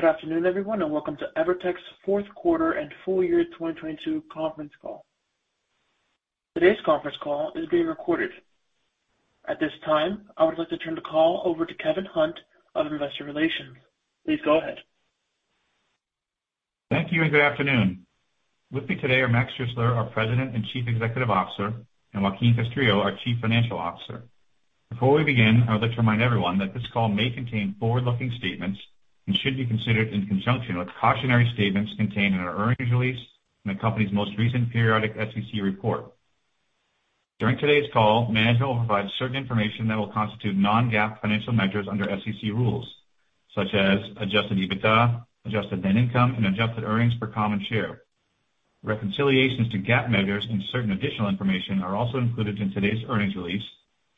Good afternoon, everyone, and welcome to Evertec's Fourth Quarter and Full Year 2022 Conference Call. Today's conference call is being recorded. At this time, I would like to turn the call over to Kevin Hunt of Investor Relations. Please go ahead. Thank you and good afternoon. With me today are Mac Schuessler, our President and Chief Executive Officer, and Joaquin Castrillo, our Chief Financial Officer. Before we begin, I would like to remind everyone that this call may contain forward-looking statements and should be considered in conjunction with cautionary statements contained in our earnings release in the company's most recent periodic SEC report. During today's call, management will provide certain information that will constitute non-GAAP financial measures under SEC rules, such as adjusted EBITDA, adjusted net income, and adjusted earnings per common share. Reconciliations to GAAP measures and certain additional information are also included in today's earnings release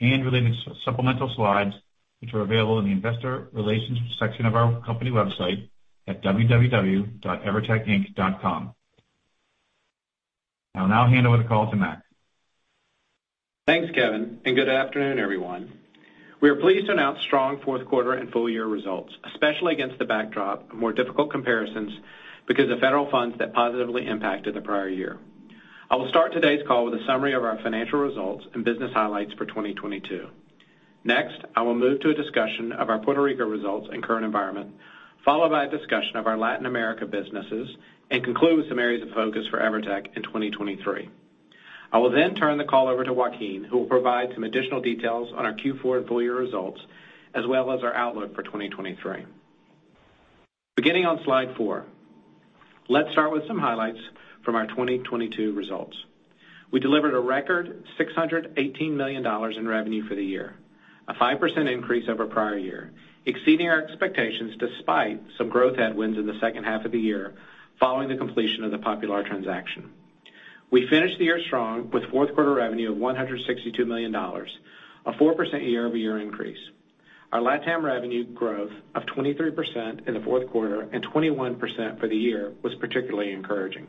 and related supplemental slides, which are available in the investor relations section of our company website at www.evertecinc.com. I'll now hand over the call to Mac. Thanks, Kevin, and good afternoon, everyone. We are pleased to announce strong fourth quarter and full year results, especially against the backdrop of more difficult comparisons because of federal funds that positively impacted the prior year. I will start today's call with a summary of our financial results and business highlights for 2022. Next, I will move to a discussion of our Puerto Rico results and current environment, followed by a discussion of our Latin America businesses and conclude with some areas of focus for Evertec in 2023. I will then turn the call over to Joaquin, who will provide some additional details on our Q4 full year results as well as our outlook for 2023. Beginning on slide 4, let's start with some highlights from our 2022 results. We delivered a record $618 million in revenue for the year, a 5% increase over prior year, exceeding our expectations despite some growth headwinds in the second half of the year following the completion of the Popular transaction. We finished the year strong with fourth quarter revenue of $162 million, a 4% year-over-year increase. Our LatAm revenue growth of 23% in the fourth quarter and 21% for the year was particularly encouraging.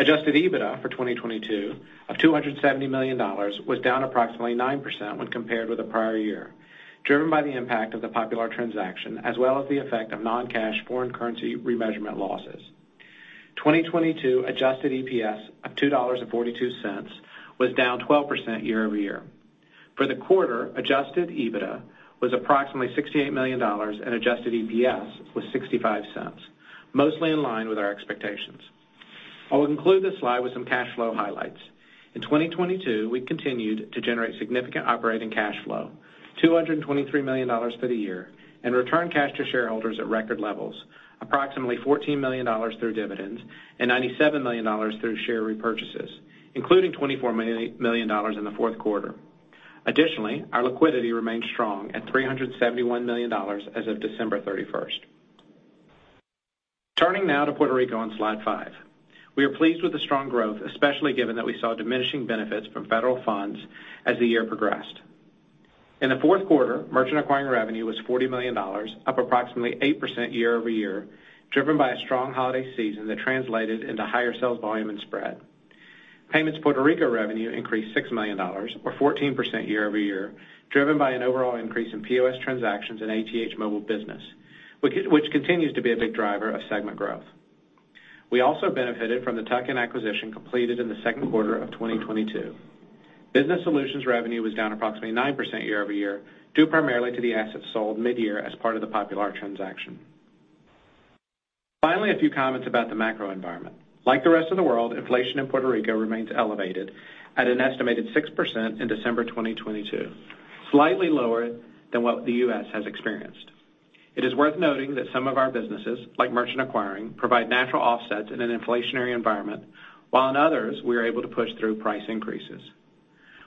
Adjusted EBITDA for 2022 of $270 million was down approximately 9% when compared with the prior year, driven by the impact of the Popular transaction as well as the effect of non-cash foreign currency remeasurement losses. 2022 adjusted EPS of $2.42 was down 12% year-over-year. For the quarter, adjusted EBITDA was approximately $68 million and Adjusted EPS was $0.65, mostly in line with our expectations. I will conclude this slide with some cash flow highlights. In 2022, we continued to generate significant operating cash flow, $223 million for the year, and return cash to shareholders at record levels, approximately $14 million through dividends and $97 million through share repurchases, including $24 million in the fourth quarter. Our liquidity remains strong at $371 million as of December 31st. Turning now to Puerto Rico on slide 5. We are pleased with the strong growth, especially given that we saw diminishing benefits from federal funds as the year progressed. In the fourth quarter, merchant acquiring revenue was $40 million, up approximately 8% year-over-year, driven by a strong holiday season that translated into higher sales volume and spread. Payments Puerto Rico revenue increased $6 million, or 14% year-over-year, driven by an overall increase in POS transactions in ATH Móvil Business, which continues to be a big driver of segment growth. We also benefited from the Token acquisition completed in the second quarter of 2022. Business solutions revenue was down approximately 9% year-over-year, due primarily to the assets sold mid-year as part of the Popular transaction. A few comments about the macro environment. Like the rest of the world, inflation in Puerto Rico remains elevated at an estimated 6% in December 2022, slightly lower than what the U.S. has experienced. It is worth noting that some of our businesses, like merchant acquiring, provide natural offsets in an inflationary environment, while in others, we are able to push through price increases.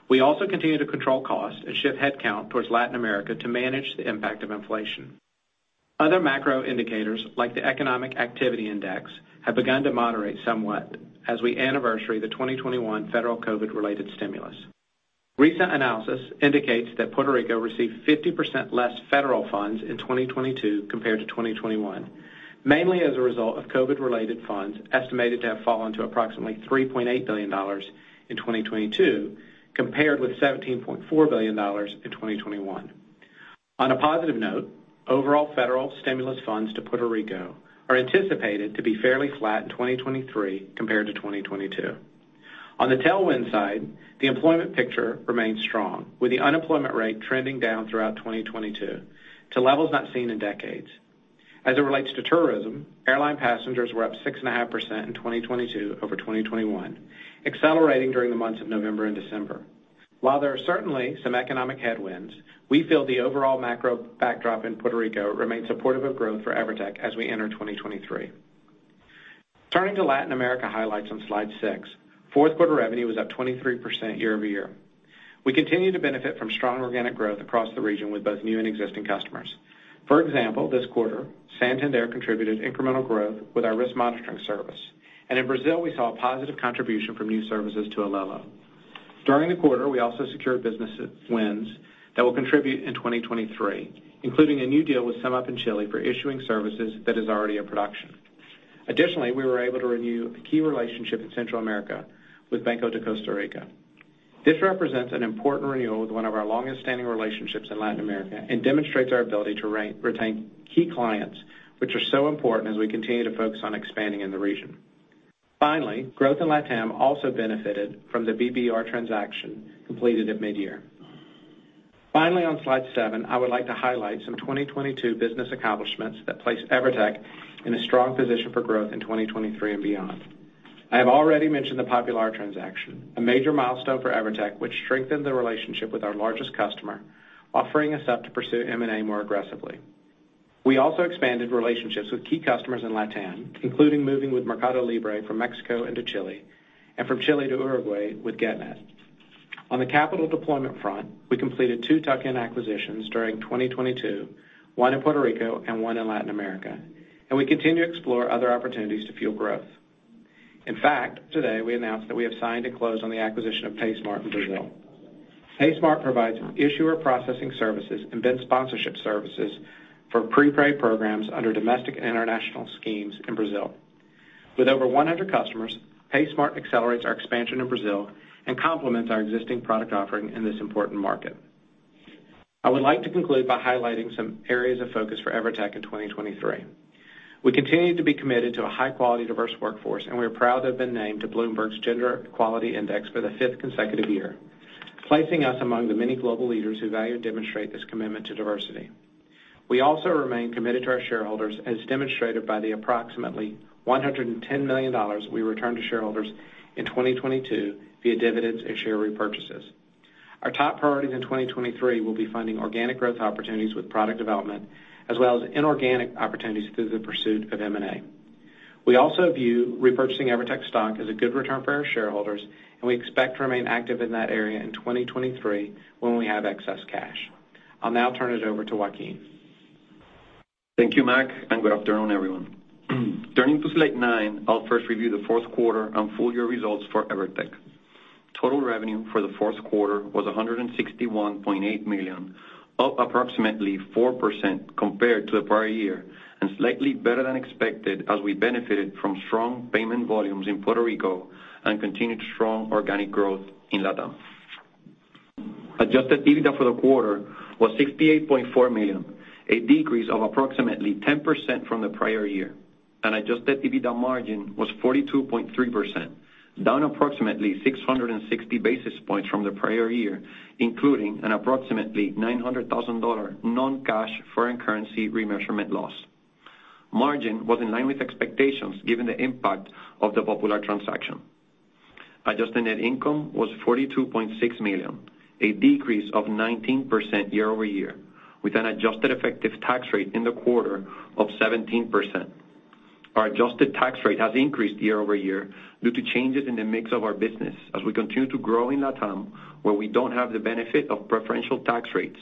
We also continue to control costs and shift headcount towards Latin America to manage the impact of inflation. Other macro indicators, like the Economic Activity Index, have begun to moderate somewhat as we anniversary the 2021 federal COVID-related stimulus. Recent analysis indicates that Puerto Rico received 50% less federal funds in 2022 compared to 2021, mainly as a result of COVID-related funds estimated to have fallen to approximately $3.8 billion in 2022, compared with $17.4 billion in 2021. On a positive note, overall federal stimulus funds to Puerto Rico are anticipated to be fairly flat in 2023 compared to 2022. On the tailwind side, the employment picture remains strong, with the unemployment rate trending down throughout 2022 to levels not seen in decades. As it relates to tourism, airline passengers were up 6.5% in 2022 over 2021, accelerating during the months of November and December. While there are certainly some economic headwinds, we feel the overall macro backdrop in Puerto Rico remains supportive of growth for Evertec as we enter 2023. Turning to Latin America highlights on slide 6. Fourth quarter revenue was up 23% year-over-year. We continue to benefit from strong organic growth across the region with both new and existing customers. For example, this quarter, Santander contributed incremental growth with our risk monitoring service. In Brazil, we saw a positive contribution from new services to Alelo. During the quarter, we also secured business wins that will contribute in 2023, including a new deal with SumUp in Chile for issuing services that is already in production. We were able to renew a key relationship in Central America with Banco de Costa Rica. This represents an important renewal with one of our longest-standing relationships in Latin America and demonstrates our ability to re-retain key clients, which are so important as we continue to focus on expanding in the region. Growth in LatAm also benefited from the BBR transaction completed at mid-year. On slide 7, I would like to highlight some 2022 business accomplishments that place Evertec in a strong position for growth in 2023 and beyond. I have already mentioned the Popular transaction, a major milestone for Evertec, which strengthened the relationship with our largest customer, offering us up to pursue M&A more aggressively. We also expanded relationships with key customers in LatAm, including moving with Mercado Libre from Mexico into Chile and from Chile to Uruguay with Getnet. On the capital deployment front, we completed two tuck-in acquisitions during 2022, one in Puerto Rico and one in Latin America. We continue to explore other opportunities to fuel growth. In fact, today we announced that we have signed and closed on the acquisition of paySmart in Brazil. paySmart provides issuer processing services and BIN sponsorship services for prepaid programs under domestic and international schemes in Brazil. With over 100 customers, paySmart accelerates our expansion in Brazil and complements our existing product offering in this important market. I would like to conclude by highlighting some areas of focus for Evertec in 2023. We continue to be committed to a high-quality, diverse workforce, and we are proud to have been named to Bloomberg Gender-Equality Index for the fifth consecutive year, placing us among the many global leaders who value and demonstrate this commitment to diversity. We also remain committed to our shareholders, as demonstrated by the approximately $110 million we returned to shareholders in 2022 via dividends and share repurchases. Our top priorities in 2023 will be finding organic growth opportunities with product development as well as inorganic opportunities through the pursuit of M&A. We also view repurchasing Evertec stock as a good return for our shareholders, and we expect to remain active in that area in 2023 when we have excess cash. I'll now turn it over to Joaquin. Thank you, Mac. Good afternoon, everyone. Turning to slide 9, I'll first review the fourth quarter and full-year results for Evertec. Total revenue for the fourth quarter was $161.8 million, up approximately 4% compared to the prior year and slightly better than expected as we benefited from strong payment volumes in Puerto Rico and continued strong organic growth in LatAm. Adjusted EBITDA for the quarter was $68.4 million, a decrease of approximately 10% from the prior year, and adjusted EBITDA margin was 42.3%, down approximately 660 basis points from the prior year, including an approximately $900,000 non-cash foreign currency remeasurement loss. Margin was in line with expectations given the impact of the Popular transaction. adjusted net income was $42.6 million, a decrease of 19% year-over-year, with an adjusted effective tax rate in the quarter of 17%. Our adjusted tax rate has increased year-over-year due to changes in the mix of our business as we continue to grow in LatAm, where we don't have the benefit of preferential tax rates,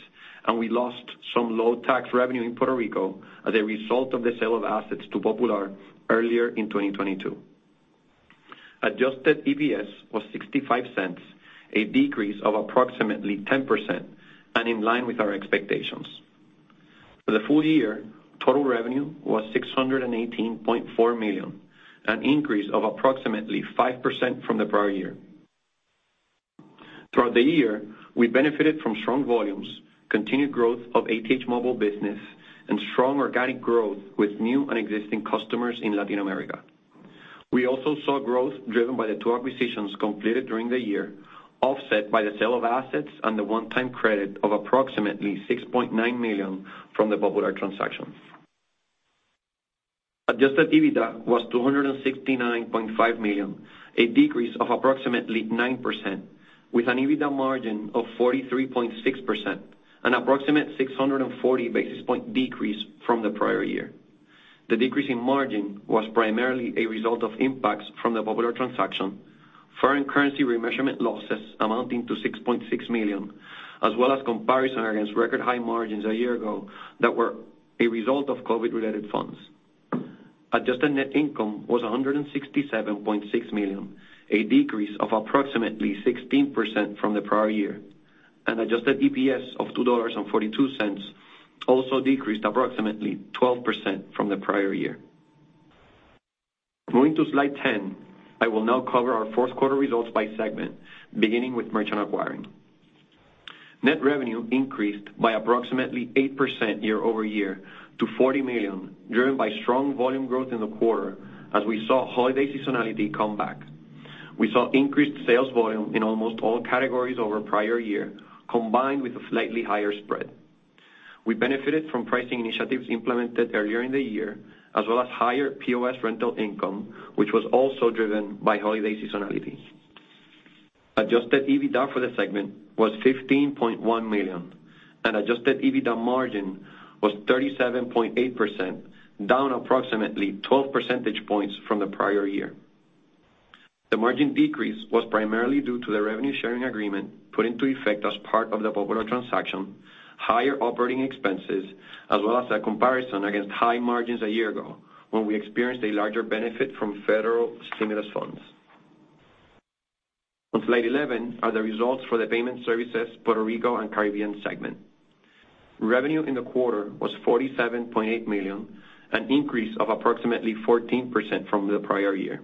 and we lost some low tax revenue in Puerto Rico as a result of the sale of assets to Popular, Inc. earlier in 2022. Adjusted EPS was $0.65, a decrease of approximately 10% and in line with our expectations. For the full year, total revenue was $618.4 million, an increase of approximately 5% from the prior year. Throughout the year, we benefited from strong volumes, continued growth of ATH Móvil Business, and strong organic growth with new and existing customers in Latin America. We also saw growth driven by the 2 acquisitions completed during the year, offset by the sale of assets and the one-time credit of approximately $6.9 million from the Popular transaction. Adjusted EBITDA was $269.5 million, a decrease of approximately 9% with an EBITDA margin of 43.6%, an approximate 640 basis point decrease from the prior year. The decrease in margin was primarily a result of impacts from the Popular transaction, foreign currency remeasurement losses amounting to $6.6 million, as well as comparison against record high margins a year ago that were a result of COVID-related funds. Adjusted net income was $167.6 million, a decrease of approximately 16% from the prior year, and Adjusted EPS of $2.42 also decreased approximately 12% from the prior year. Moving to slide 10, I will now cover our fourth quarter results by segment, beginning with merchant acquiring. Net revenue increased by approximately 8% year-over-year to $40 million, driven by strong volume growth in the quarter as we saw holiday seasonality come back. We saw increased sales volume in almost all categories over prior year, combined with a slightly higher spread. We benefited from pricing initiatives implemented earlier in the year, as well as higher POS rental income, which was also driven by holiday seasonality. Adjusted EBITDA for the segment was $15.1 million and adjusted EBITDA margin was 37.8%, down approximately 12 percentage points from the prior year. The margin decrease was primarily due to the revenue sharing agreement put into effect as part of the Popular transaction, higher operating expenses, as well as a comparison against high margins a year ago when we experienced a larger benefit from federal stimulus funds. On slide 11 are the results for the Payment Services Puerto Rico and Caribbean segment. Revenue in the quarter was $47.8 million, an increase of approximately 14% from the prior year.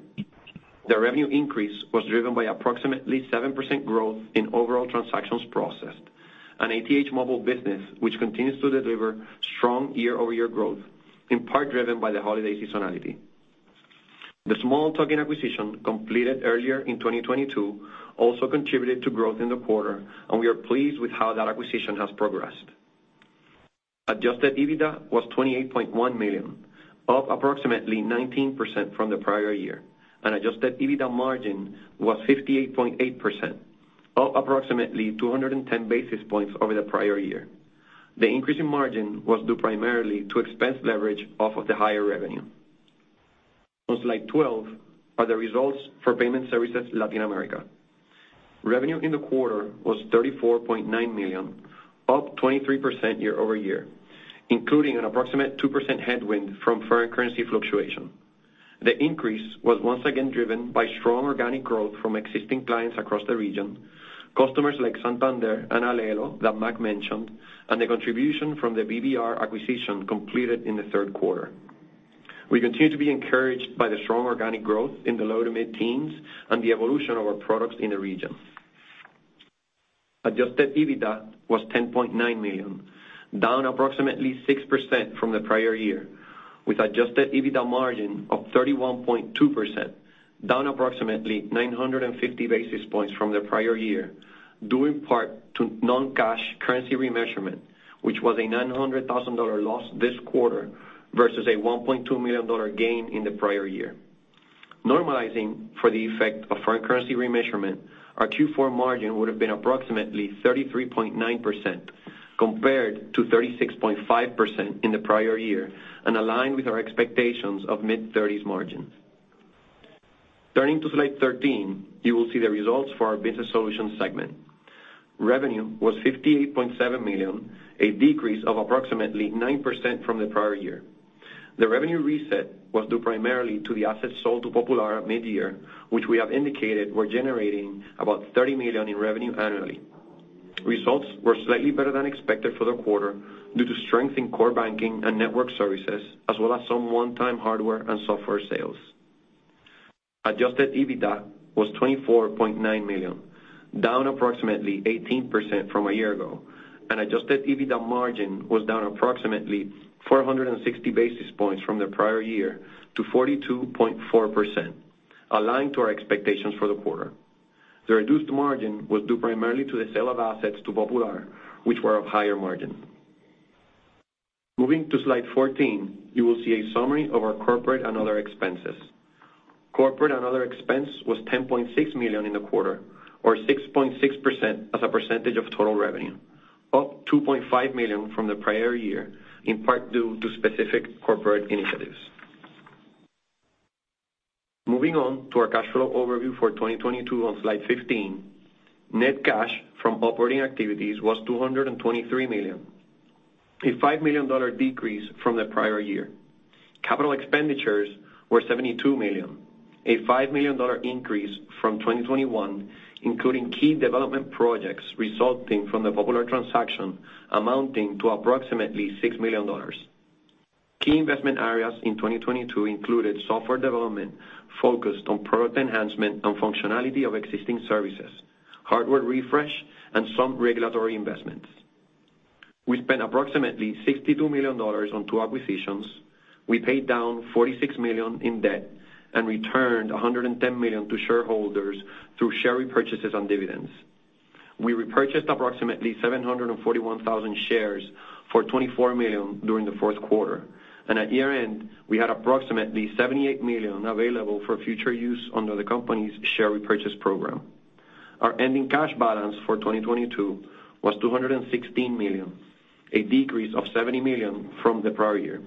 The revenue increase was driven by approximately 7% growth in overall transactions processed and ATH Móvil Business, which continues to deliver strong year-over-year growth, in part driven by the holiday seasonality. The small Token acquisition completed earlier in 2022 also contributed to growth in the quarter. We are pleased with how that acquisition has progressed. Adjusted EBITDA was $28.1 million, up approximately 19% from the prior year. Adjusted EBITDA margin was 58.8%, up approximately 210 basis points over the prior year. The increase in margin was due primarily to expense leverage off of the higher revenue. On slide 12 are the results for Payment Services Latin America. Revenue in the quarter was $34.9 million, up 23% year-over-year, including an approximate 2% headwind from foreign currency fluctuation. The increase was once again driven by strong organic growth from existing clients across the region, customers like Santander and Alelo that Mac mentioned, and the contribution from the BBR acquisition completed in the third quarter. We continue to be encouraged by the strong organic growth in the low- to mid-teens and the evolution of our products in the region. Adjusted EBITDA was $10.9 million, down approximately 6% from the prior year, with adjusted EBITDA margin of 31.2%, down approximately 950 basis points from the prior year, due in part to non-cash currency remeasurement, which was a $900,000 loss this quarter versus a $1.2 million gain in the prior year. Normalizing for the effect of foreign currency remeasurement, our Q4 margin would have been approximately 33.9% compared to 36.5% in the prior year and aligned with our expectations of mid-thirties margins. Turning to slide 13, you will see the results for our Business Solutions segment. Revenue was $58.7 million, a decrease of approximately 9% from the prior year. The revenue reset was due primarily to the assets sold to Popular mid-year, which we have indicated were generating about $30 million in revenue annually. Results were slightly better than expected for the quarter due to strength in core banking and network services, as well as some one-time hardware and software sales. adjusted EBITDA was $24.9 million, down approximately 18% from a year ago, and adjusted EBITDA margin was down approximately 460 basis points from the prior year to 42.4%, aligned to our expectations for the quarter. The reduced margin was due primarily to the sale of assets to Popular, which were of higher margin. Moving to slide 14, you will see a summary of our corporate and other expenses. Corporate and other expense was $10.6 million in the quarter or 6.6% as a percentage of total revenue, up $2.5 million from the prior year, in part due to specific corporate initiatives. Moving on to our cash flow overview for 2022 on slide 15. Net cash from operating activities was $223 million, a $5 million decrease from the prior year. Capital expenditures were $72 million, a $5 million increase from 2021, including key development projects resulting from the Popular transaction amounting to approximately $6 million. Key investment areas in 2022 included software development focused on product enhancement and functionality of existing services, hardware refresh, and some regulatory investments. We spent approximately $62 million on two acquisitions. We paid down $46 million in debt and returned $110 million to shareholders through share repurchases and dividends. We repurchased approximately 741,000 shares for $24 million during the fourth quarter. At year-end, we had approximately $78 million available for future use under the company's share repurchase program. Our ending cash balance for 2022 was $216 million, a decrease of $70 million from the prior year.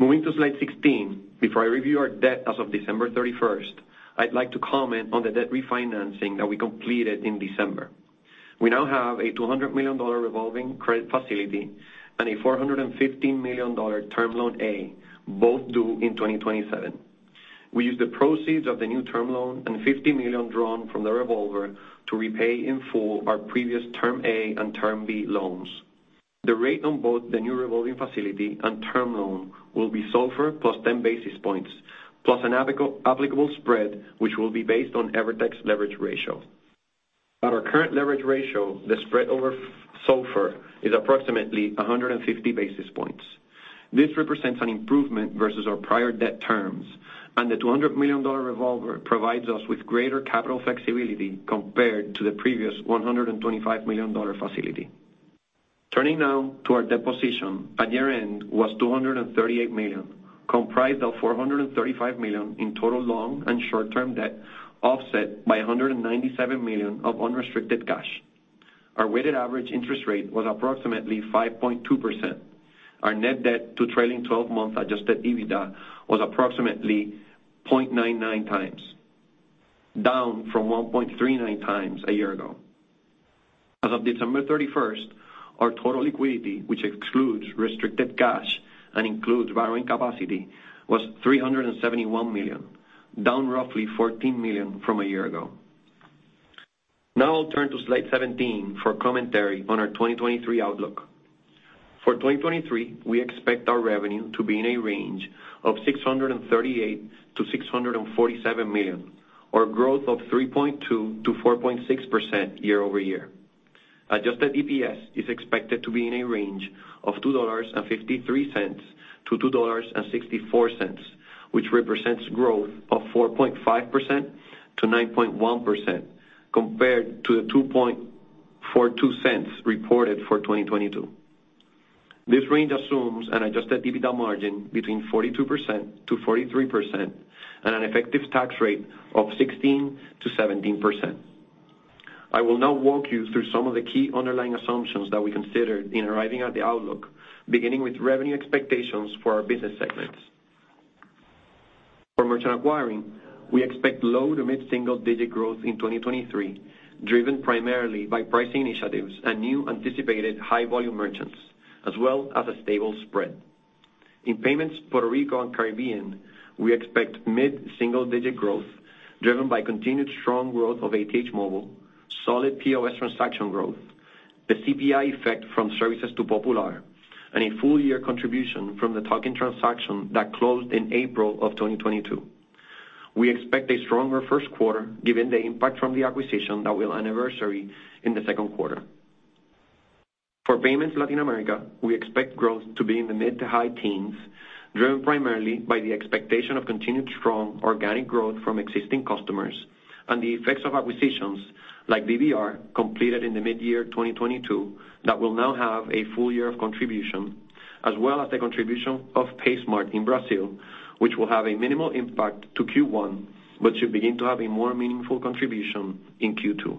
Moving to slide 16, before I review our debt as of December 31st, I'd like to comment on the debt refinancing that we completed in December. We now have a $200 million revolving credit facility and a $415 million Term Loan A, both due in 2027. We used the proceeds of the new term loan and $50 million drawn from the revolver to repay in full our previous Term Loan A and Term Loan B loans. The rate on both the new revolving facility and term loan will be SOFR plus 10 basis points, plus an applicable spread, which will be based on Evertec's leverage ratio. At our current leverage ratio, the spread over SOFR is approximately 150 basis points. This represents an improvement versus our prior debt terms. The $200 million revolver provides us with greater capital flexibility compared to the previous $125 million facility. Turning now to our debt position. At year-end was $238 million, comprised of $435 million in total long and short-term debt, offset by $197 million of unrestricted cash. Our weighted average interest rate was approximately 5.2%. Our net debt to trailing 12-month adjusted EBITDA was approximately 0.99 times, down from 1.39 times a year ago. As of December 31st, our total liquidity, which excludes restricted cash and includes borrowing capacity, was $371 million, down roughly $14 million from a year ago. I'll turn to slide 17 for commentary on our 2023 outlook. For 2023, we expect our revenue to be in a range of $638 million-$647 million, or growth of 3.2%-4.6% year-over-year. Adjusted EPS is expected to be in a range of $2.53 to $2.64, which represents growth of 4.5% to 9.1% compared to the $2.42 reported for 2022. This range assumes an adjusted EBITDA margin between 42%-43% and an effective tax rate of 16%-17%. I will now walk you through some of the key underlying assumptions that we considered in arriving at the outlook, beginning with revenue expectations for our business segments. For merchant acquiring, we expect low to mid-single digit growth in 2023, driven primarily by pricing initiatives and new anticipated high volume merchants, as well as a stable spread. In payments Puerto Rico and Caribbean, we expect mid-single digit growth driven by continued strong growth of ATH Móvil, solid POS transaction growth, the CPI effect from services to Banco Popular, and a full year contribution from the Token transaction that closed in April 2022. We expect a stronger first quarter given the impact from the acquisition that will anniversary in the second quarter. For payments Latin America, we expect growth to be in the mid to high teens, driven primarily by the expectation of continued strong organic growth from existing customers and the effects of acquisitions like BBR completed in the midyear 2022 that will now have a full year of contribution, as well as the contribution of paySmart in Brazil, which will have a minimal impact to Q1, but should begin to have a more meaningful contribution in Q2.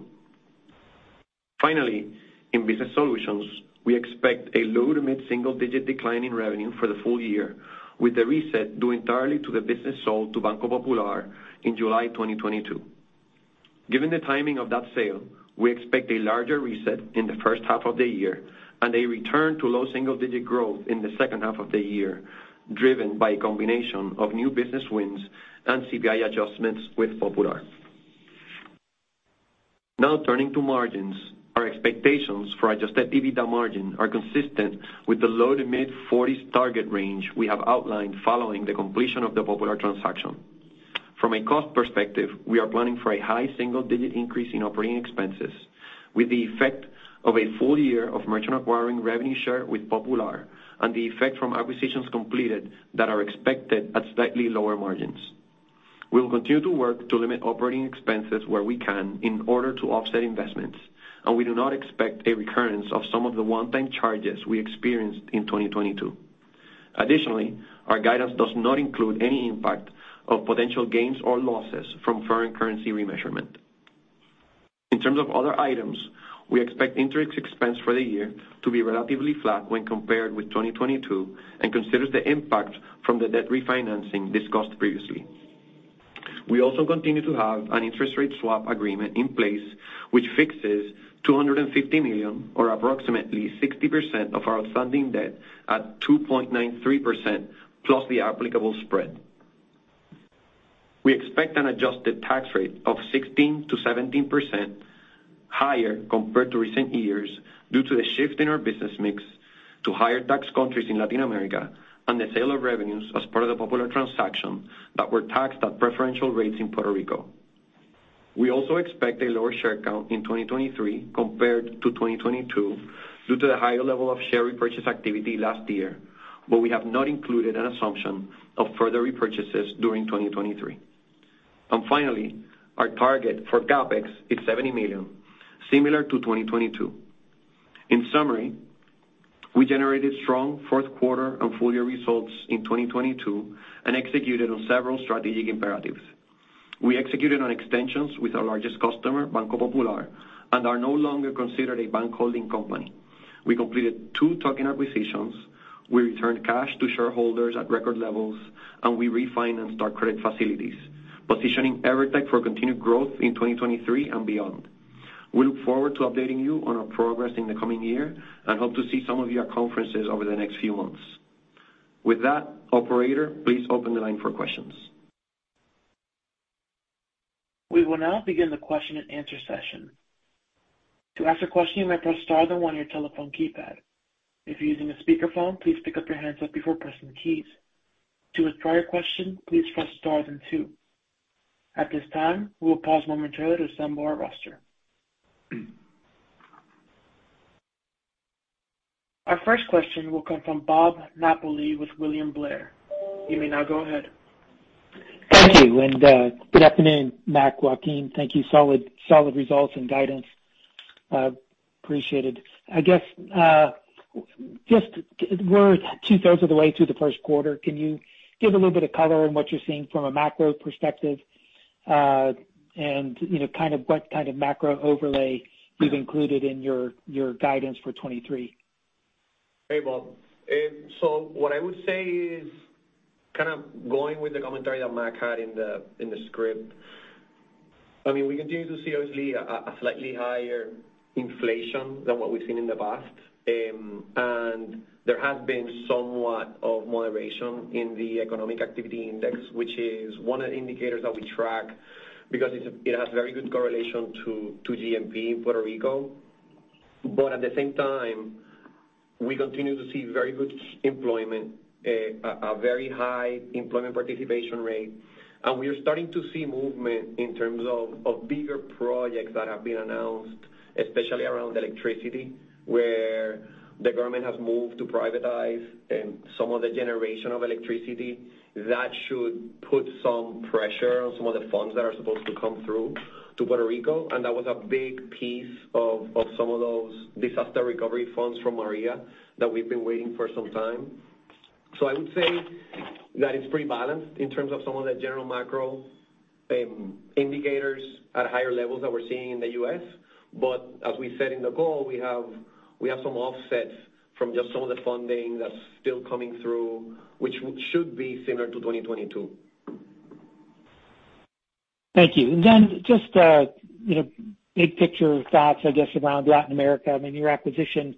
Finally, in business solutions, we expect a low-to-mid-single-digit decline in revenue for the full year, with the reset due entirely to the business sold to Banco Popular in July 2022. Given the timing of that sale, we expect a larger reset in the first half of the year and a return to low-single-digit growth in the second half of the year, driven by a combination of new business wins and CPI adjustments with Popular. Now turning to margins. Our expectations for adjusted EBITDA margin are consistent with the low to mid-40s target range we have outlined following the completion of the Popular transaction. From a cost perspective, we are planning for a high-single-digit increase in operating expenses with the effect of a full year of merchant acquiring revenue share with Popular and the effect from acquisitions completed that are expected at slightly lower margins. We will continue to work to limit operating expenses where we can in order to offset investments. We do not expect a recurrence of some of the one-time charges we experienced in 2022. Additionally, our guidance does not include any impact of potential gains or losses from foreign currency remeasurement. In terms of other items, we expect interest expense for the year to be relatively flat when compared with 2022 and considers the impact from the debt refinancing discussed previously. We also continue to have an interest rate swap agreement in place which fixes $250 million or approximately 60% of our outstanding debt at 2.93% plus the applicable spread. We expect an adjusted tax rate of 16%-17% higher compared to recent years due to a shift in our business mix to higher-tax countries in Latin America and the sale of revenues as part of the Popular transaction that were taxed at preferential rates in Puerto Rico. We also expect a lower share count in 2023 compared to 2022 due to the higher level of share repurchase activity last year. We have not included an assumption of further repurchases during 2023. Finally, our target for CapEx is $70 million, similar to 2022. In summary, we generated strong fourth quarter and full year results in 2022 and executed on several strategic imperatives. We executed on extensions with our largest customer, Banco Popular, and are no longer considered a bank holding company. We completed two tuck-in acquisitions. We returned cash to shareholders at record levels, and we refinanced our credit facilities, positioning Evertec for continued growth in 2023 and beyond. We look forward to updating you on our progress in the coming year and hope to see some of you at conferences over the next few months. With that, operator, please open the line for questions. We will now begin the question-and-answer session. To ask a question, you may press star then one on your telephone keypad. If you're using a speakerphone, please pick up your handset before pressing the keys. To withdraw your question, please press star then two. At this time, we will pause momentarily to assemble our roster. Our first question will come from Bob Napoli with William Blair. You may now go ahead. Thank you. Good afternoon, Mac, Joaquin. Thank you. Solid results and guidance. Appreciated. I guess, just we're two-thirds of the way through the first quarter. Can you give a little bit of color on what you're seeing from a macro perspective, and, you know, kind of what kind of macro overlay you've included in your guidance for 2023? Hey, Bob. What I would say is kind of going with the commentary that Mac had in the script. I mean, we continue to see obviously a slightly higher inflation than what we've seen in the past. There has been somewhat of moderation in the Economic Activity Index, which is one of the indicators that we track because it has very good correlation to GNP in Puerto Rico. At the same time, we continue to see very good employment, a very high employment participation rate. We are starting to see movement in terms of bigger projects that have been announced, especially around electricity, where the government has moved to privatize some of the generation of electricity. That should put some pressure on some of the funds that are supposed to come through to Puerto Rico, and that was a big piece of some of those disaster recovery funds from Maria that we've been waiting for some time. I would say that it's pretty balanced in terms of some of the general macro indicators at higher levels that we're seeing in the US.As we said in the call, we have some offsets from just some of the funding that's still coming through, which should be similar to 2022. Thank you. Then just, you know, big picture thoughts, I guess, around Latin America. I mean, your acquisition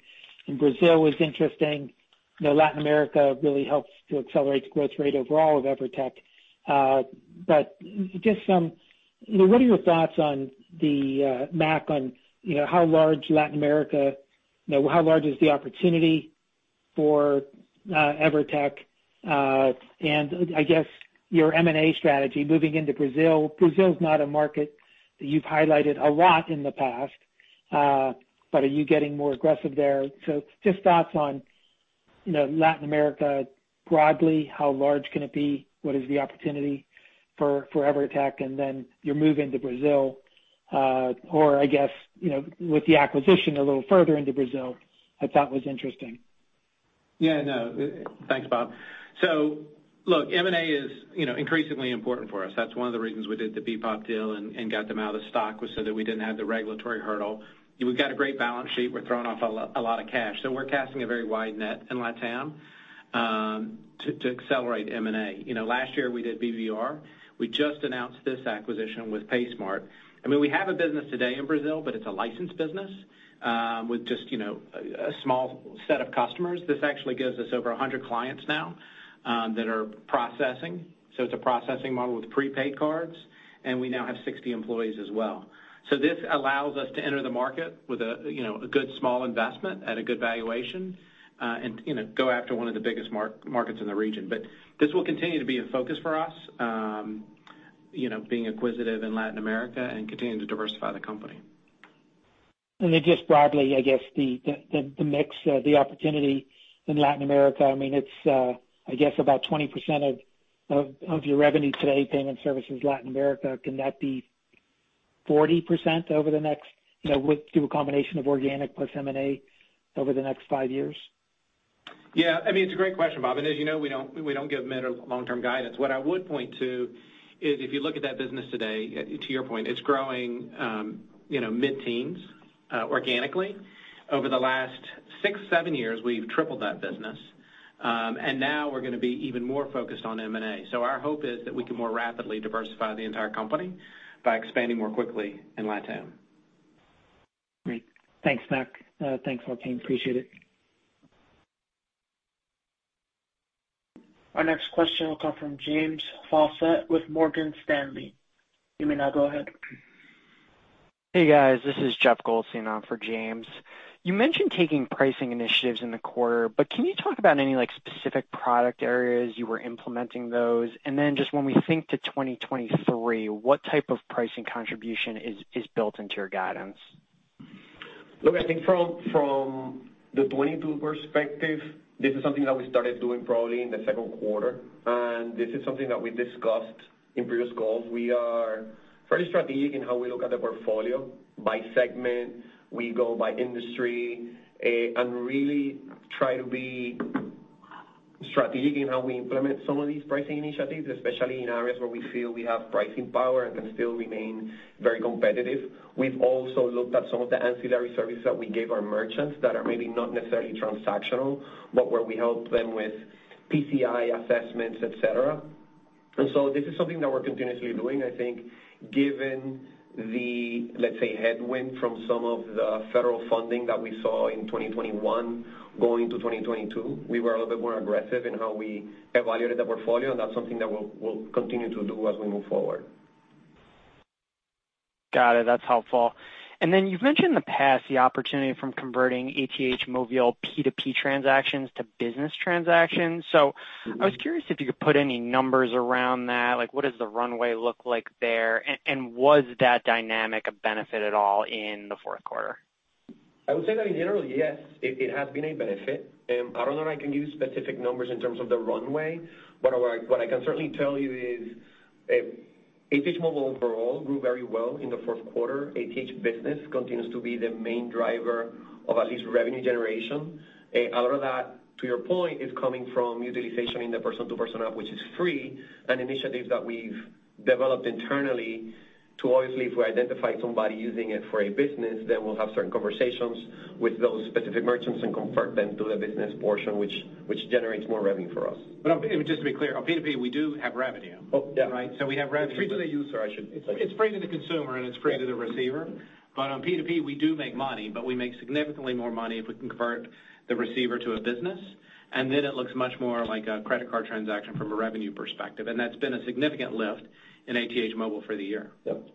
in Brazil was interesting. You know, Latin America really helps to accelerate the growth rate overall of Evertec. What are your thoughts on the, Mac on, how large Latin America, how large is the opportunity for Evertec? And I guess your M&A strategy moving into Brazil. Brazil is not a market that you've highlighted a lot in the past, but are you getting more aggressive there? Just thoughts on, you know, Latin America broadly, how large can it be? What is the opportunity for Evertec? Then your move into Brazil, or I guess, you know, with the acquisition a little further into Brazil, I thought was interesting. Yeah. No. Thanks, Bob. Look, M&A is, you know, increasingly important for us. That's one of the reasons we did the BPOP deal and got them out of stock was so that we didn't have the regulatory hurdle. We've got a great balance sheet. We're throwing off a lot of cash. We're casting a very wide net in LatAm to accelerate M&A. You know, last year we did BBR. We just announced this acquisition with paySmart. I mean, we have a business today in Brazil, but it's a licensed business with just, you know, a small set of customers. This actually gives us over 100 clients now that are processing. It's a processing model with prepaid cards, and we now have 60 employees as well. This allows us to enter the market with a, you know, a good small investment at a good valuation, and, you know, go after one of the biggest markets in the region. This will continue to be a focus for us, you know, being acquisitive in Latin America and continuing to diversify the company. Just broadly, I guess the mix, the opportunity in Latin America, I mean, it's, I guess about 20% of your revenue today, payment services Latin America. Can that be 40% over the next, you know, through a combination of organic plus M&A over the next five years? Yeah. I mean, it's a great question, Bob. As you know, we don't give mid or long-term guidance. What I would point to is if you look at that business today, to your point, it's growing, you know, mid-teens organically. Over the last six, seven years, we've tripled that business. Now we're gonna be even more focused on M&A. Our hope is that we can more rapidly diversify the entire company by expanding more quickly in LatAm. Great. Thanks, Mac. Thanks, Joaquin. Appreciate it. Our next question will come from James Faucette with Morgan Stanley. You may now go ahead. Hey, guys. This is Jeffrey Goldstein on for James. You mentioned taking pricing initiatives in the quarter, can you talk about any, like, specific product areas you were implementing those? Just when we think to 2023, what type of pricing contribution is built into your guidance? Look, I think from the 22 perspective, this is something that we started doing probably in the second quarter, and this is something that we discussed in previous calls. We are pretty strategic in how we look at the portfolio by segment. We go by industry, and really try to be strategic in how we implement some of these pricing initiatives, especially in areas where we feel we have pricing power and can still remain very competitive. We've also looked at some of the ancillary services that we gave our merchants that are maybe not necessarily transactional, but where we help them with PCI assessments, et cetera. This is something that we're continuously doing. I think given the, let's say, headwind from some of the federal funding that we saw in 2021 going to 2022, we were a little bit more aggressive in how we evaluated the portfolio, that's something that we'll continue to do as we move forward. Got it. That's helpful. You've mentioned in the past the opportunity from converting ATH Móvil P2P transactions to business transactions. I was curious if you could put any numbers around that. Like, what does the runway look like there? Was that dynamic a benefit at all in the fourth quarter? I would say that in general, yes, it has been a benefit. I don't know that I can use specific numbers in terms of the runway, but what I can certainly tell you is ATH Móvil overall grew very well in the fourth quarter. ATH Móvil Business continues to be the main driver of at least revenue generation. A lot of that, to your point, is coming from utilization in the P2P app, which is free, and initiatives that we've developed internally to obviously, if we identify somebody using it for a business, then we'll have certain conversations with those specific merchants and convert them to the business portion, which generates more revenue for us. Just to be clear, on P2P, we do have revenue. Oh, yeah. Right? We have revenue. It's free to the user, I should- It's free to the consumer, and it's free to the receiver. On P2P, we do make money, but we make significantly more money if we can convert the receiver to a business, and then it looks much more like a credit card transaction from a revenue perspective. That's been a significant lift in ATH Móvil for the year. Yep.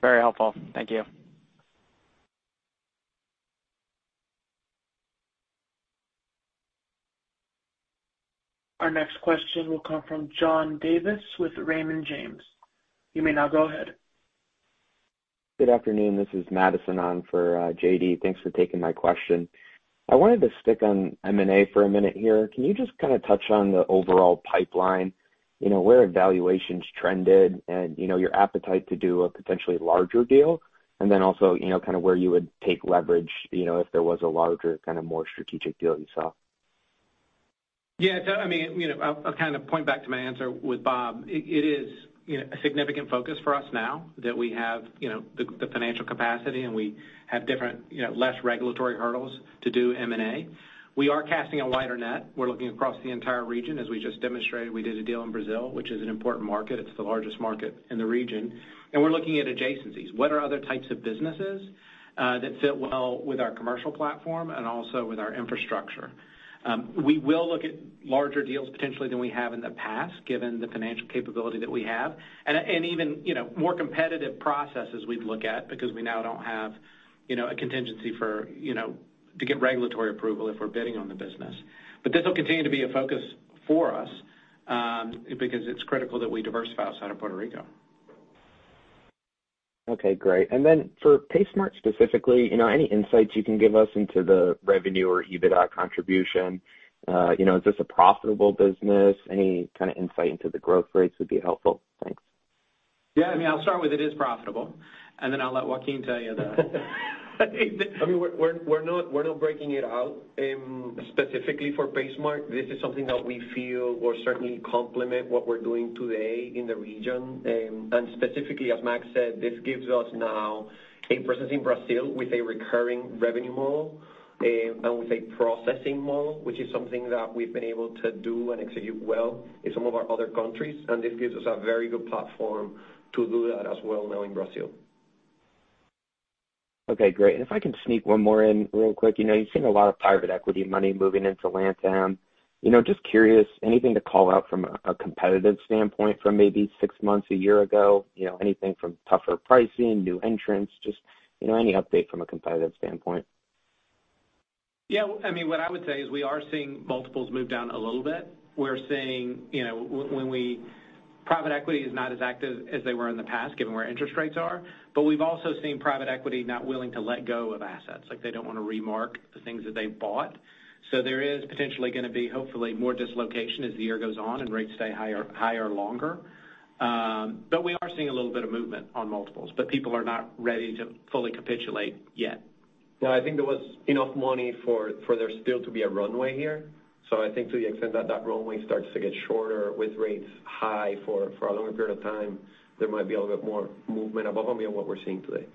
Very helpful. Thank you. Our next question will come from John Davis with Raymond James. You may now go ahead. Good afternoon. This is Madison, on for JD. Thanks for taking my question. I wanted to stick on M&A for a minute here. Can you just kinda touch on the overall pipeline? You know, where valuations trended and, you know, your appetite to do a potentially larger deal? You know, kinda where you would take leverage, you know, if there was a larger, kinda more strategic deal you saw. I mean, you know, I'll kind of point back to my answer with Bob. It is, you know, a significant focus for us now that we have, you know, the financial capacity and we have different, you know, less regulatory hurdles to do M&A. We are casting a wider net. We're looking across the entire region. As we just demonstrated, we did a deal in Brazil, which is an important market. It's the largest market in the region. We're looking at adjacencies. What are other types of businesses that fit well with our commercial platform and also with our infrastructure? We will look at larger deals potentially than we have in the past, given the financial capability that we have. Even, you know, more competitive processes we'd look at because we now don't have, you know, a contingency for, you know, to get regulatory approval if we're bidding on the business. This will continue to be a focus for us because it's critical that we diversify outside of Puerto Rico. Okay, great. Then for paySmart specifically, you know, any insights you can give us into the revenue or EBITDA contribution? you know, is this a profitable business? Any kind of insight into the growth rates would be helpful. Thanks. Yeah. I mean, I'll start with it is profitable, and then I'll let Joaquin tell you the- I mean, we're not breaking it out, specifically for paySmart. This is something that we feel will certainly complement what we're doing today in the region. Specifically, as Mac said, this gives us now a presence in Brazil with a recurring revenue model, and with a processing model, which is something that we've been able to do and execute well in some of our other countries. This gives us a very good platform to do that as well now in Brazil. Okay, great. If I can sneak one more in real quick. You know, you've seen a lot of private equity money moving into LatAm. You know, just curious, anything to call out from a competitive standpoint from maybe six months, a year ago? You know, anything from tougher pricing, new entrants, just, you know, any update from a competitive standpoint? Yeah. I mean, what I would say is we are seeing multiples move down a little bit. We're seeing, you know, private equity is not as active as they were in the past, given where interest rates are. We've also seen private equity not willing to let go of assets. Like, they don't wanna remark the things that they bought. There is potentially gonna be, hopefully, more dislocation as the year goes on and rates stay higher longer. We are seeing a little bit of movement on multiples, but people are not ready to fully capitulate yet. Yeah, I think there was enough money for there still to be a runway here. I think to the extent that that runway starts to get shorter with rates high for a longer period of time, there might be a little bit more movement above and beyond what we're seeing today.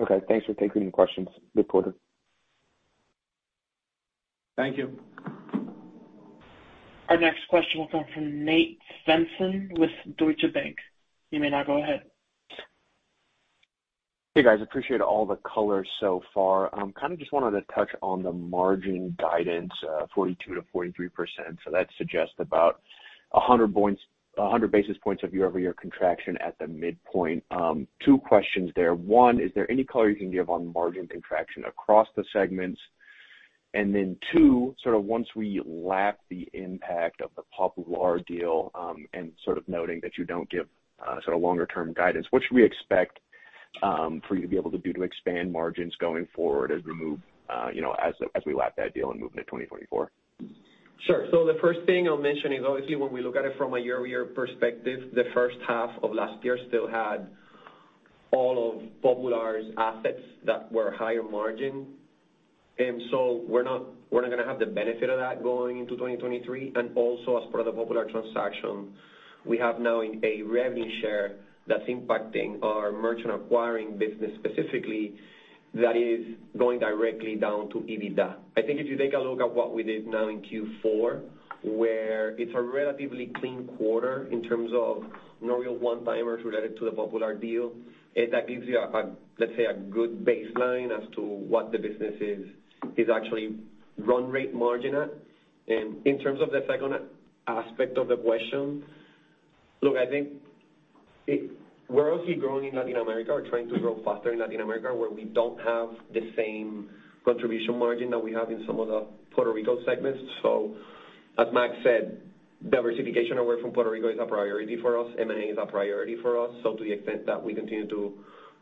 Okay, thanks for taking the questions. Good quarter. Thank you. Our next question will come from Nate Svensson with Deutsche Bank. You may now go ahead. Hey, guys. Appreciate all the color so far. Kinda just wanted to touch on the margin guidance, 42%-43%. That suggests about 100 basis points of year-over-year contraction at the midpoint. Two questions there. One, is there any color you can give on margin contraction across the segments? Two, sort of once we lap the impact of the Popular deal, and sort of noting that you don't give, sort of longer term guidance, what should we expect, for you to be able to do to expand margins going forward as we move, you know, as we lap that deal and move into 2024? Sure. The first thing I'll mention is, obviously, when we look at it from a year-over-year perspective, the first half of last year still had all of Popular's assets that were higher margin. We're not gonna have the benefit of that going into 2023. Also, as part of the Popular transaction, we have now a revenue share that's impacting our merchant acquiring business specifically that is going directly down to EBITDA. I think if you take a look at what we did now in Q4, where it's a relatively clean quarter in terms of no real one-timers related to the Popular deal, that gives you a, let's say, a good baseline as to what the business is actually run rate margin at. In terms of the second aspect of the question, look, I think. We're obviously growing in Latin America. We're trying to grow faster in Latin America, where we don't have the same contribution margin that we have in some of the Puerto Rico segments. As Mac said, diversification away from Puerto Rico is a priority for us. M&A is a priority for us. To the extent that we continue to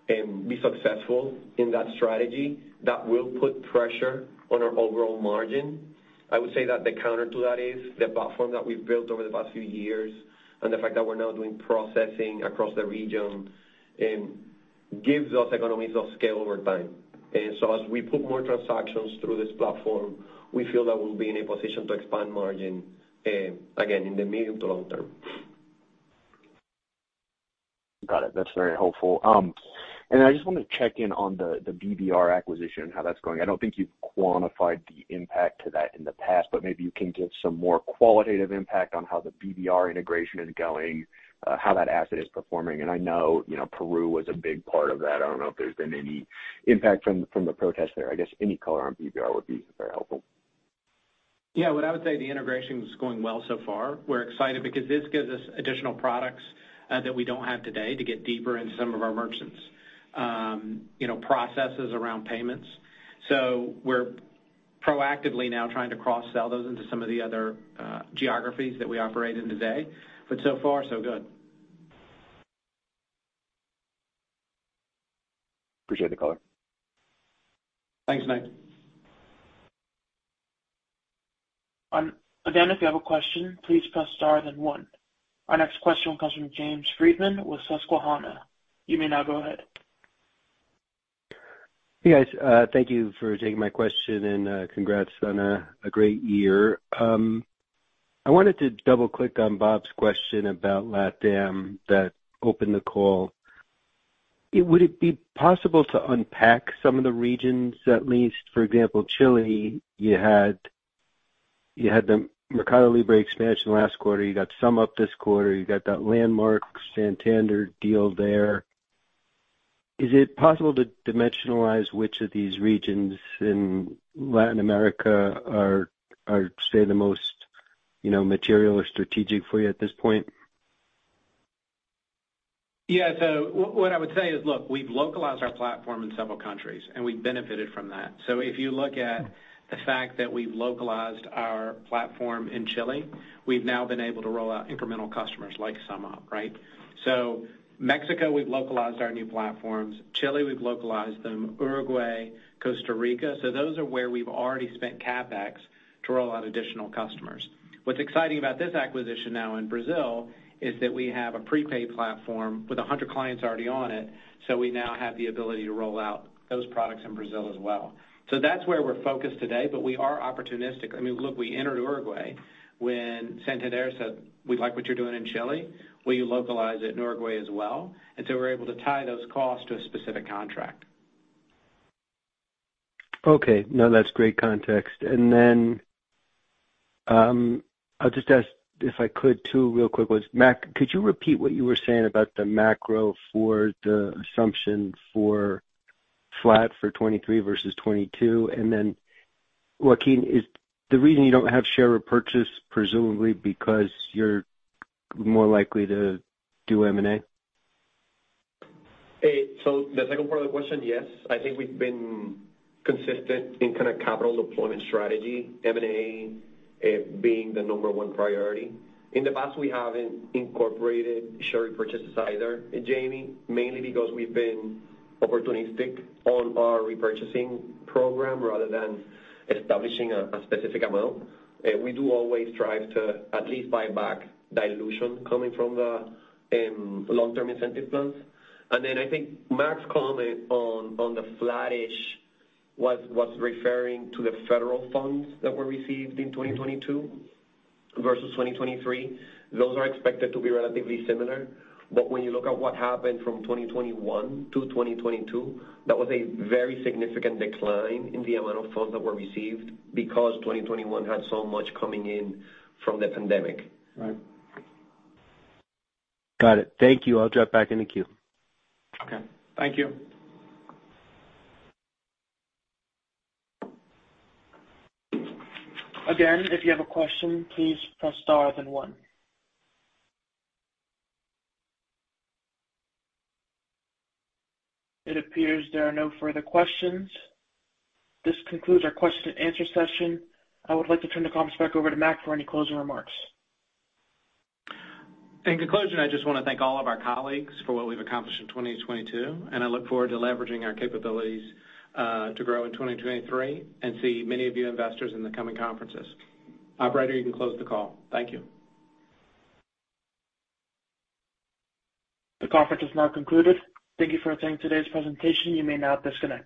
be successful in that strategy, that will put pressure on our overall margin. I would say that the counter to that is the platform that we've built over the past few years and the fact that we're now doing processing across the region. Gives us economies of scale over time. As we put more transactions through this platform, we feel that we'll be in a position to expand margin, again, in the medium to long term. Got it. That's very helpful. I just wanna check in on the BBR acquisition, how that's going. I don't think you've quantified the impact to that in the past, but maybe you can give some more qualitative impact on how the BBR integration is going, how that asset is performing. I know, you know, Peru was a big part of that. I don't know if there's been any impact from the protests there. I guess any color on BBR would be very helpful. What I would say the integration is going well so far. We're excited because this gives us additional products that we don't have today to get deeper into some of our merchants', you know, processes around payments. We're proactively now trying to cross-sell those into some of the other geographies that we operate in today. So far so good. Appreciate the color. Thanks, Nate. Again, if you have a question, please press star then one. Our next question will comes from James Friedman with Susquehanna. You may now go ahead. Hey, guys. Thank you for taking my question, and congrats on a great year. I wanted to double-click on Bob's question about LatAm that opened the call. Would it be possible to unpack some of the regions, at least? For example, Chile, you had the Mercado Libre expansion last quarter. You got SumUp this quarter. You got that landmark Santander deal there. Is it possible to dimensionalize which of these regions in Latin America are, say, the most, you know, material or strategic for you at this point? What I would say is, look, we've localized our platform in several countries. We've benefited from that. If you look at the fact that we've localized our platform in Chile, we've now been able to roll out incremental customers like SumUp, right? Mexico, we've localized our new platforms. Chile, we've localized them. Uruguay, Costa Rica. Those are where we've already spent CapEx to roll out additional customers. What's exciting about this acquisition now in Brazil is that we have a prepaid platform with 100 clients already on it. We now have the ability to roll out those products in Brazil as well. That's where we're focused today. We are opportunistic. I mean, look, we entered Uruguay when Santander said, "We like what you're doing in Chile. Will you localize it in Uruguay as well?". We're able to tie those costs to a specific contract. Okay. No, that's great context. I'll just ask if I could too real quick was, Mac, could you repeat what you were saying about the macro for the assumption for flat for 2023 versus 2022? Joaquin, is the reason you don't have share repurchase presumably because you're more likely to do M&A? The second part of the question, yes. I think we've been consistent in kinda capital deployment strategy, M&A, being the number 1 priority. In the past, we haven't incorporated share repurchases either, James, mainly because we've been opportunistic on our repurchasing program rather than establishing a specific amount. We do always strive to at least buy back dilution coming from the long-term incentive plans. I think Mac's comment on the flattish was referring to the federal funds that were received in 2022 versus 2023. Those are expected to be relatively similar, but when you look at what happened from 2021 to 2022, that was a very significant decline in the amount of funds that were received because 2021 had so much coming in from the pandemic. Right. Got it. Thank you. I'll drop back in the queue. Okay. Thank you. Again, if you have a question, please press star then one. It appears there are no further questions. This concludes our question and answer session. I would like to turn the conference back over to Mac for any closing remarks. In conclusion, I just wanna thank all of our colleagues for what we've accomplished in 2022, and I look forward to leveraging our capabilities, to grow in 2023 and see many of you investors in the coming conferences. Operator, you can close the call. Thank you. The conference is now concluded. Thank you for attending today's presentation. You may now disconnect.